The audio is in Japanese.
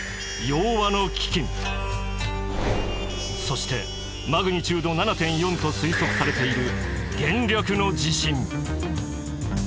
そしてマグニチュード７．４と推測されている元暦の地震。